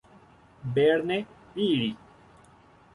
Verne, Irl.